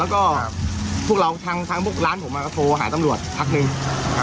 แล้วก็พวกเราทางทางพวกร้านผมก็โทรหาตำรวจพักหนึ่ง